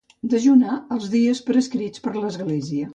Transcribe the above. Dejunar els dies prescrits per l'Església.